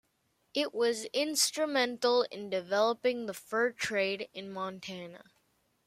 It was instrumental in developing the fur trade in Montana.